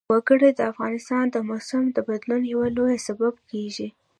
وګړي د افغانستان د موسم د بدلون یو لوی سبب کېږي.